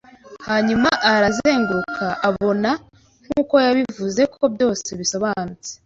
Hanyuma arazenguruka abona, nkuko yabivuze, ko byose bisobanutse.